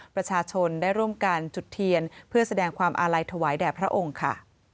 ประชาชนได้ร่วมกันจุดเทียนเพื่อแสดงความอาลัยถวายแด่พระองค์ค่ะ